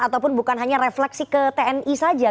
ataupun bukan hanya refleksi ke tni saja